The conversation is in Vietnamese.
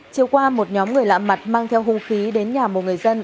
chiều qua một nhóm người lạ mặt mang theo hung khí đến nhà một người dân